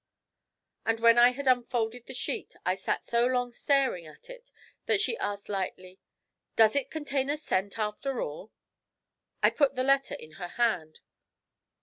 But when I had unfolded the sheet, I sat so long staring at it that she asked lightly: 'Does it contain a scent, after all?' I put the letter in her hand.